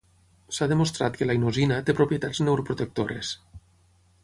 S'ha demostrat que la inosina té propietats neuroprotectores.